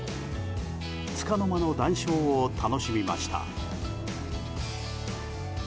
つかの間の談笑を楽しみました。